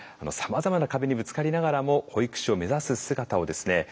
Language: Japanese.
さまざまな壁にぶつかりながらも保育士を目指す姿をですね